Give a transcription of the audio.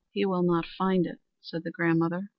"He will not find it," said the grandmother.